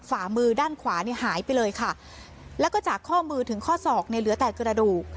ฝ่ามือด้านขวาเนี่ยหายไปเลยค่ะแล้วก็จากข้อมือถึงข้อศอกเนี่ยเหลือแต่กระดูก